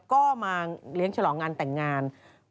ก็มาเลี้ยงฉลองงานแต่งงาน